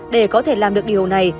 để có thể làm được điều này